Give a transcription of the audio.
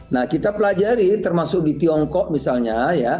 nah kita pelajari termasuk di tiongkok misalnya ya